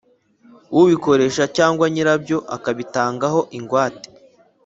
ubikoresha cyangwa nyirabyo akabitangaho ingwate